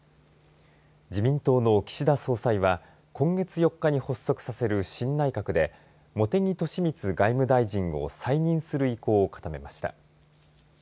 自民党の岸田総裁は今月４日に発足させる新内閣で茂木敏充外務大臣を再任する意向を固めました。